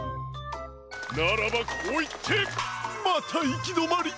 ならばこういってまたいきどまり！